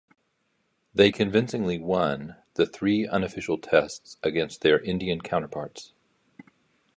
They convincingly won the three unofficial tests against their Indian counterparts.